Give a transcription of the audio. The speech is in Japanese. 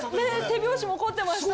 手拍子も起こってましたね。